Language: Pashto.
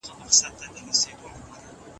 ټکنالوژۍ به ډېر پرمختګ کړی وي.